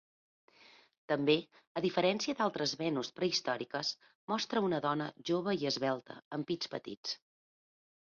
També, a diferència d'altres Venus prehistòriques, mostra una dona jove i esvelta amb pits petits.